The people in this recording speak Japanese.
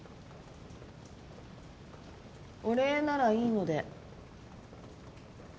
お礼ならいいので。